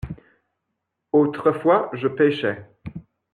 Autrefois je pêchai.